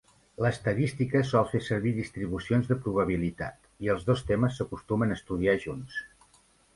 L'estadística sol fer servir distribucions de probabilitat, i els dos temes s'acostumen a estudiar junts.